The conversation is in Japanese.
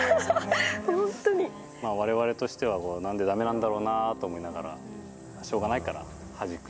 われわれとしては、なんでだめなんだろうなと思いながら、しょうがないからはじく。